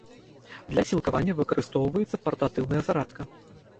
Для сілкавання выкарыстоўваецца партатыўная зарадка.